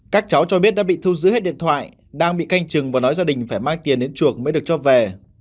các cháu cho biết đã bị thu giữ hết điện thoại đang bị canh chừng và nói gia đình phải mang tiền đến chuộc mới được cho về